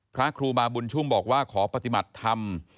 พระครูบาบุญชุ่มบอกว่าขอปฏิบัติธรรม